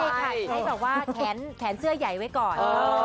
ใช่แบบว่าแขนเสื้อใหญ่ไว้ก่อน